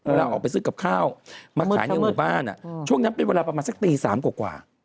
เวลาออกไปซื้อกับข้าวมาขายในหมู่บ้านช่วงนั้นเป็นเวลาประมาณสักตี๓กว่า